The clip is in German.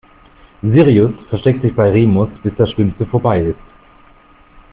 Sirius versteckt sich bei Remus, bis das Schlimmste vorbei ist.